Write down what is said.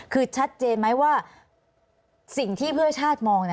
คือชัดเจนไหมว่าสิ่งที่เพื่อชาติมอง